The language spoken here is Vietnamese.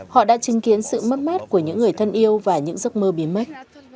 họ đã chứng kiến sự mất mát của những người thân yêu và những giấc mơ biến mất